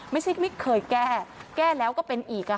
ไม่ใช่ไม่เคยแก้แก้แล้วก็เป็นอีกค่ะ